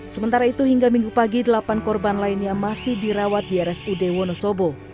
sementara itu hingga minggu pagi delapan korban lainnya masih dirawat di rsud wonosobo